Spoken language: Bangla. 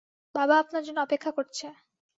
বাবা আপনার জন্যে অপেক্ষা করছে।